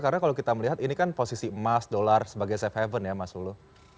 karena kalau kita melihat ini kan posisi emas dolar sebagai safe haven ya mas hulu